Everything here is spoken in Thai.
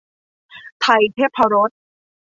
ไทยเทพรส